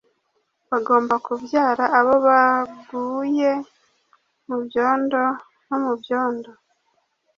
Bagomba kubyara aho baguye mu byondo no mu byondo